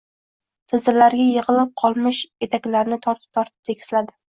Tizzalariga yig‘ilib qolmish etaklarini tortib-tortib tekisladi.